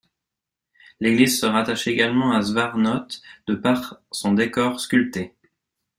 L'église se rattache également à Zvartnots de par son décor sculpté.